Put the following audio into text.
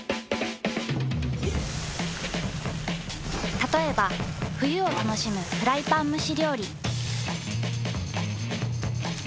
たとえば冬を楽しむフライパン蒸し料理。